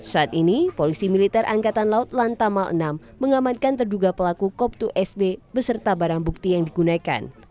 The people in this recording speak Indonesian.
saat ini polisi militer angkatan laut lantamal enam mengamankan terduga pelaku kop dua sb beserta barang bukti yang digunakan